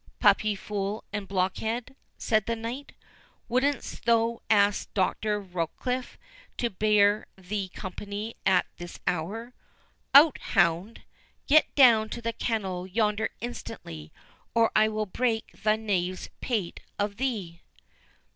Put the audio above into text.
puppy, fool, and blockhead," said the knight, "wouldst thou ask Doctor Rochecliffe to bear thee company at this hour?—Out, hound!—get down to the kennel yonder instantly, or I will break the knave's pate of thee."